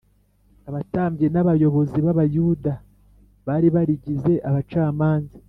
Abatambyi n’abayobozi b’Abayuda bari barigize abacamanza